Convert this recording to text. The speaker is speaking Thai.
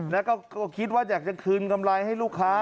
แล้วก็คิดว่าอยากจะคืนกำไรให้ลูกค้า